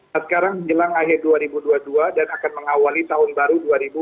nah sekarang jelang akhir dua ribu dua puluh dua dan akan mengawali tahun baru dua ribu dua puluh